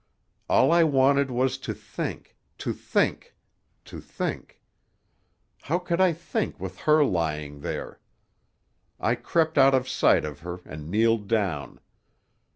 "All I wanted was to think—to think—to think. How could I think with her lying there? I crept out of sight of her and kneeled down.